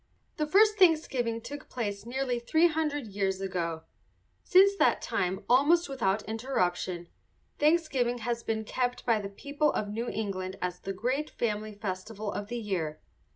The first Thanksgiving took place nearly three hundred years ago. Since that time, almost without interruption, Thanksgiving has been kept by the people of New England as the great family festival of the year.